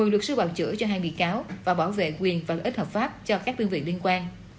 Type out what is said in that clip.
một mươi luật sư bảo chữa cho hai mươi bị cáo và bảo vệ quyền và lợi ích hợp pháp cho các biên viện liên quan